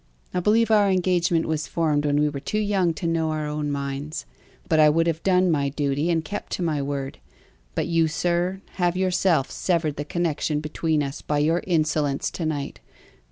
I believe our engagement was formed when we were too young to know our own minds, but I would have done my duty and kept to my word; but you, sir, have yourself severed the connection between us by your insolence to night.